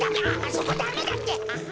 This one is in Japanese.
そこダメだってアハ。